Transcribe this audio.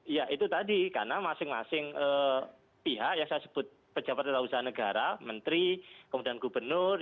ya itu tadi karena masing masing pihak yang saya sebut pejabat dan usaha negara menteri kemudian gubernur